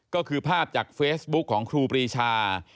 ก็คือภาพจากเฟซบุ๊คของครูปรีชา